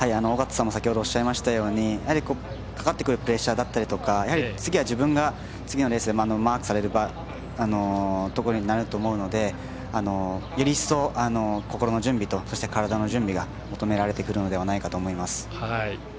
尾方さんも先ほどおっしゃったようにかかってくるプレッシャーだったり次は自分が次のレースでマークされるところになると思うのでより一層、心の準備とそして体の準備が求められてくるのではないかと思います。